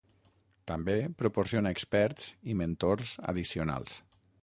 També proporciona experts i mentors addicionals.